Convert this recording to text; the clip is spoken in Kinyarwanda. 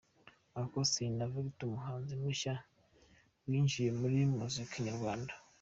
Uncle Austin na Victor umuhanzi mushya winjijwe muri muzika nyarwanda.